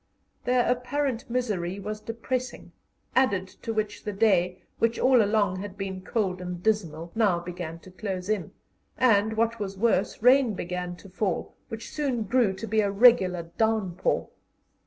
Their apparent misery was depressing, added to which the day, which all along had been cold and dismal, now began to close in, and, what was worse, rain began to fall, which soon grew to be a regular downpour.